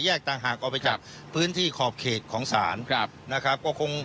แยกต่างหากออกไปจากพื้นที่ขอบเขตของสารนะครับ